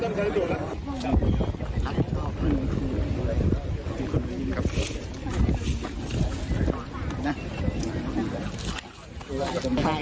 ตาตายตาตายแล้วต้องการจุดนะครับ